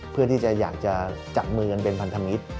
เพื่อที่จะอยากจะจับมือกันเป็นพันธมิตร